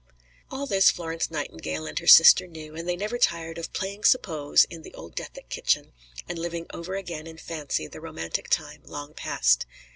All this Florence Nightingale and her sister knew, and they never tired of "playing suppose" in old Dethick kitchen, and living over again in fancy the romantic time long past.